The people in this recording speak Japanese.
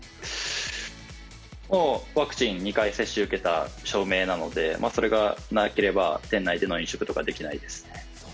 ワクチン２回接種を受けた証明なので、それがなければ店内での飲食とかできないですね。